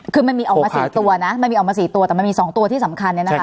คือมันมีออกมา๔ตัวนะมันมีออกมา๔ตัวแต่มันมี๒ตัวที่สำคัญเนี่ยนะคะ